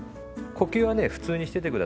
呼吸はね普通にしてて下さいね。